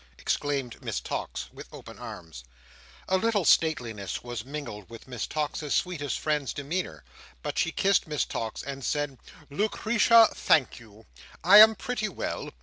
exclaimed Miss Tox, with open arms. A little stateliness was mingled with Miss Tox's sweetest friend's demeanour, but she kissed Miss Tox, and said, "Lucretia, thank you, I am pretty well.